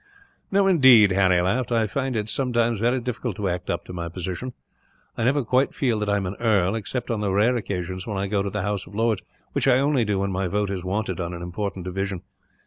"No, indeed," Harry laughed. "I find it, sometimes, very difficult to act up to my position. I never quite feel that I am an earl, except on the rare occasions when I go to the House of Lords which I only do when my vote is wanted, on an important division.